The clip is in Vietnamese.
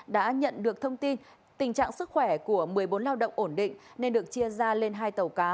đã nhận được thông tin tình trạng sức khỏe của một mươi bốn lao động ổn định nên được chia ra lên hai tàu cá